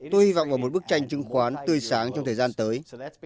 tôi hy vọng vào một bức tranh chứng khoán tươi sáng trong thời gian tới